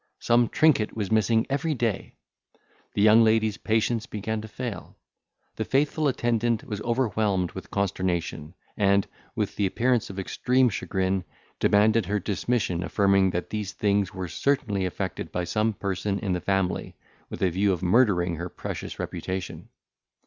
Some trinket was missing every day; the young lady's patience began to fail; the faithful attendant was overwhelmed with consternation, and, with the appearance of extreme chagrin, demanded her dismission, affirming that these things were certainly effected by some person in the family, with a view of murdering her precious reputation.